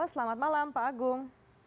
selamat malam pak agung